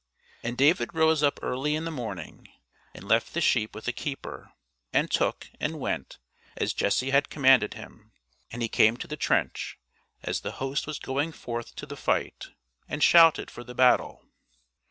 And David rose up early in the morning, and left the sheep with a keeper, and took, and went, as Jesse had commanded him; and he came to the trench, as the host was going forth to the fight, and shouted for the battle.